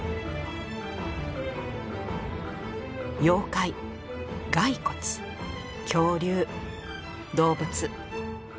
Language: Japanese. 妖怪骸骨恐竜動物。